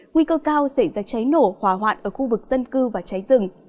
nguy cơ cao xảy ra cháy nổ hòa hoạn ở khu vực dân cư và cháy rừng